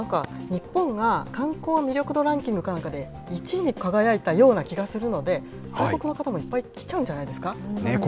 確か、なんか、日本は観光魅力度ランキングかなんかで１位に輝いたような気がするので、外国の方もいっぱい来ちゃうんじゃな